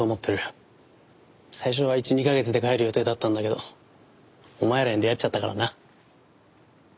最初は１２カ月で帰る予定だったんだけどお前らに出会っちゃったからな。